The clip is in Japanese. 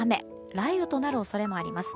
雷雨となる恐れもあります。